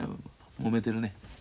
もめてるね。